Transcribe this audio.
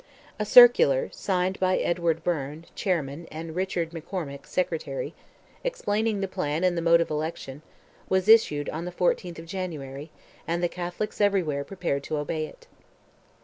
A circular, signed by Edward Byrne, Chairman, and Richard McCormick, Secretary, explaining the plan and the mode of election, was issued on the 14th of January, and the Catholics everywhere prepared to obey it.